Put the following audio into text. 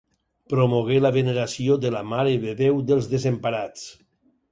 Promogué la veneració de la Mare de Déu dels Desemparats.